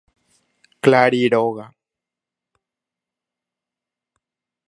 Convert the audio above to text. Clari róga.